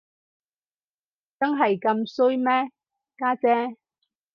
真係咁衰咩，家姐？